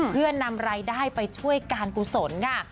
เพื่อนำรายได้ไปช่วยการกุศลค่ะ